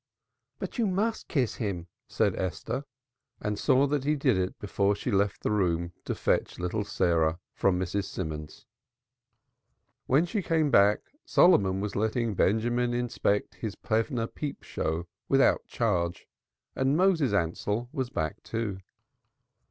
"But you must kiss him," said Esther, and saw that he did it before she left the room to fetch little Sarah from Mrs. Simons. When she came back Solomon was letting Benjamin inspect his Plevna peep show without charge and Moses Ansell was back, too.